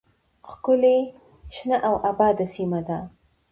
، ښکلې، شنه او آباده سیمه ده.